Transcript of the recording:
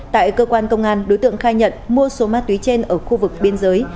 tại cơ quan công an đối tượng khai nhận mua số ma túy trên ở khu vực biên giới